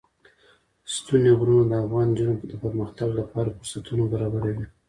ستوني غرونه د افغان نجونو د پرمختګ لپاره فرصتونه برابروي.